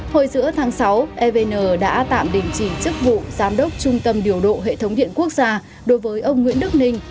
hồi giữa tháng sáu evn đã tạm đình chỉ chức vụ giám đốc trung tâm điều độ hệ thống điện quốc gia đối với ông nguyễn đức ninh